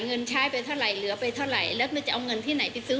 เงินใช้ไปเท่าไหร่เหลือไปเท่าไหร่